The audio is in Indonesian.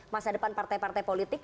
masa depan partai partai politik